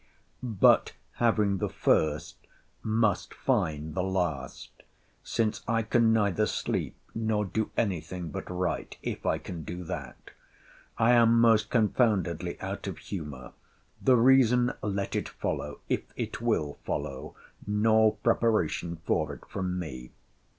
But, having the first, must find the last; since I can neither sleep, nor do any thing but write, if I can do that. I am most confoundedly out of humour. The reason let it follow; if it will follow—nor preparation for it from me.